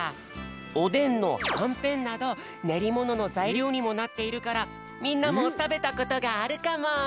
おでんのはんぺんなどねりもののざいりょうにもなっているからみんなもたべたことがあるかも。